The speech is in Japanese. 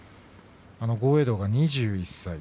豪栄道は２１歳。